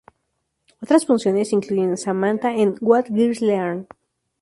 Otras funciones incluyen Samantha en "What Girls Learn?